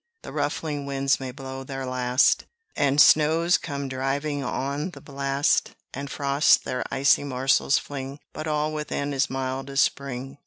The ruffling winds may blow their last, And snows come driving on the blast; And frosts their icy morsels fling, But all within is mild as spring!